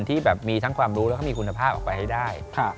ที่แบบมีทั้งความรู้แล้วก็มีคุณภาพออกไปให้ได้